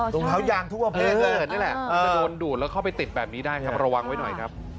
ตรงเท้ายางทุกประเภทเลยนี่แหละจะโดนดูดแล้วเข้าไปติดแบบนี้ได้ครับระวังไว้หน่อยครับ